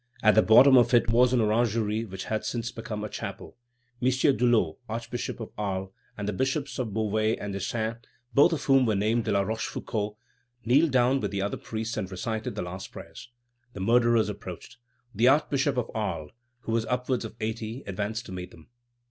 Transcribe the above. At the bottom of it was an orangery which has since become a chapel. Mgr. Dulau, Archbishop of Arles, and the Bishops of Beauvais and de Saintes, both of whom were named de la Rochefoucauld, kneeled down with the other priests and recited the last prayers. The murderers approached. The Archbishop of Arles, who was upwards of eighty, advanced to meet them.